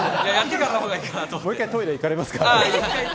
もう１回トイレ行かれますか？